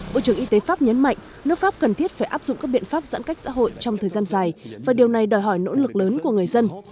bộ trưởng y tế pháp nhấn mạnh nước pháp cần thiết phải áp dụng các biện pháp giãn cách xã hội trong thời gian dài và điều này đòi hỏi nỗ lực lớn của người dân